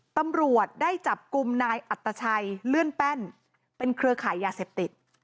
ตำรวจได้จับกลุ่มนายอัตชัยเลื่อนแป้นเป็นเครือขายยาเสพติด